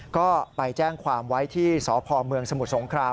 ก็ไปแจ้งความไว้ที่สพเมืองสมุทรสงคราม